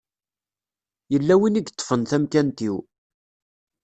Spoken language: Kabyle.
Yella win i yeṭṭfen tamkant-iw.